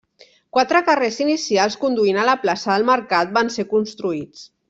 Quatre carrers inicials, conduint a la plaça del mercat, van ser construïts.